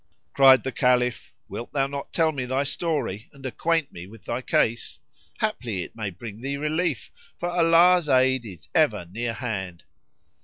Cried the Caliph, "Wilt thou not tell me thy story and acquaint me with thy case? Haply it may bring thee relief, for Allah's aid is ever nearhand."